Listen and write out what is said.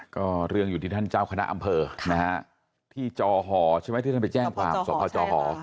ก็เรื่องอยู่ที่ท่านเจ้าคณะอำเภอนะฮะที่จอหอใช่ไหมที่ท่านไปแจ้งความสพจหอ